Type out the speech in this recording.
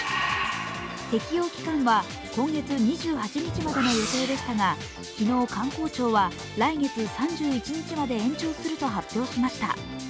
適用期間は今月２８日までの予定でしたが昨日、観光庁は来月３１日まで延長すると発表しました。